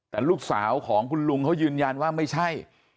แต่ลูกสาวของคุณลุงเขายืนยันว่าไม่ใช่